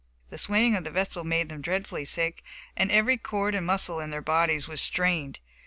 The swaying of the vessel made them dreadfully sick, and every cord and muscle in their bodies was strained.